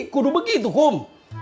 kudu begitu kum